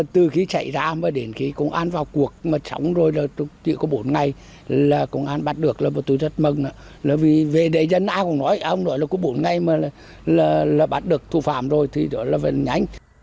từ khi chạy ra đến khi công an vào cuộc mà trống rồi chỉ có bốn ngày là công an bắt được là tôi rất mừng về đề dân ai cũng nói ông nói là có bốn ngày mà là bắt được thủ phạm rồi thì đó là vẫn nhanh